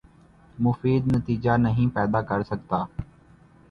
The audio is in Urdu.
مفید نتیجہ نہیں پیدا کر سکتا